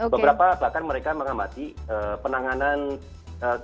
beberapa bahkan mereka mengamati penanganan tahun ini